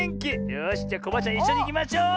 よしじゃあコバアちゃんいっしょにいきましょう！